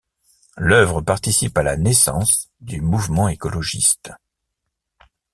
L’œuvre participe à la naissance du mouvement écologiste.